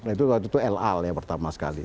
itu waktu itu lal pertama sekali